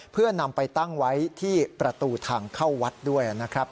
เพื่อนำไปตั้งไว้ที่ประตูทางเข้าวัดด้วยนะครับ